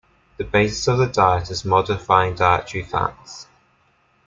The basis of the diet is modifying dietary fats.